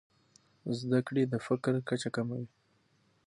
زده کړې د فقر کچه کموي.